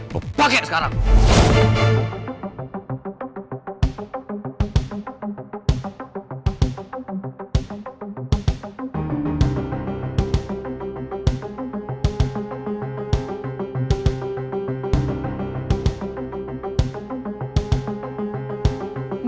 lo pake sekarang